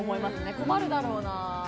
困るだろうな。